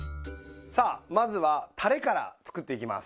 さあまずはたれから作っていきます。